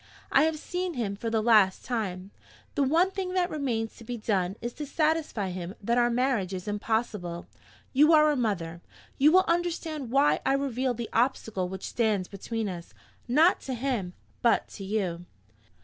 I have seen him for the last time. The one thing that remains to be done is to satisfy him that our marriage is impossible. You are a mother; you will understand why I reveal the obstacle which stands between us not to him, but to you.'